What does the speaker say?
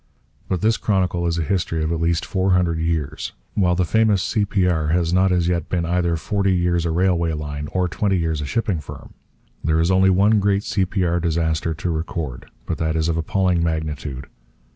But this Chronicle is a history of at least four hundred years; while the famous 'C.P.R.' has not as yet been either forty years a railway line or twenty years a shipping firm. There is only one great C.P.R. disaster to record. But that is of appalling magnitude.